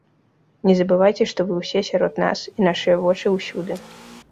Не забывайце, што вы ўсе сярод нас і нашыя вочы ўсюды.